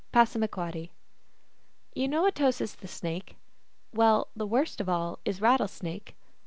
(Passamaquoddy.) You know At o sis, the Snake? Well, the worst of all is Rattlesnake.